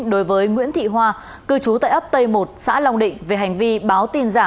đối với nguyễn thị hoa cư trú tại ấp tây một xã long định về hành vi báo tin giả